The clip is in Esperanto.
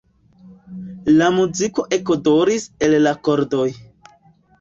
La muziko ekodoris el la kordoj.